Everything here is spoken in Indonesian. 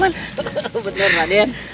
hahaha bener raden